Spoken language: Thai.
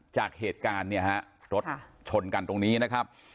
จากเหตุการณ์เนี่ยฮะรถชนกันตรงนี้นะครับ